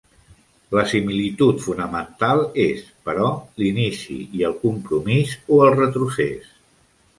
La similitud fonamental és, però, l'inici i el compromís o el retrocés.